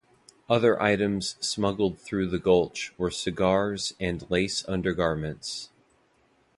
Other items smuggled through the gulch were cigars and lace undergarments.